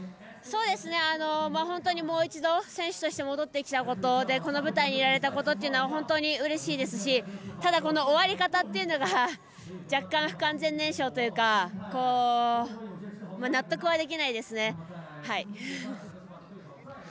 そうですね、本当にもう一度選手として戻ってきたことでこの舞台にいられたことは本当にうれしいですしただこの終わり方というのが若干、不完全燃焼というか納得はできないですね、はい。